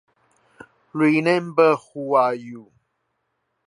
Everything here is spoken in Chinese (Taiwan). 記得你是誰